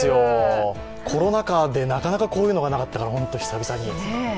コロナ禍でなかなかこういうのがなかったから、本当に久々に。